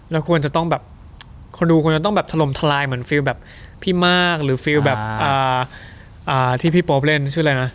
แล้วควรจะต้องแบบคนดูควรจะต้องแบบถล่มทลายเหมือนฟิลแบบพี่มากหรือฟิลแบบที่พี่โป๊ปเล่นชื่ออะไรนะ